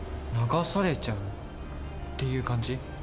流されちゃうっていう感じ？